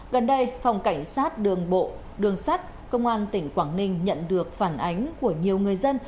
gần đây phòng cảnh sát đường bộ đường sắt công an tỉnh quảng ninh nhận được phản ánh của nhiều người dân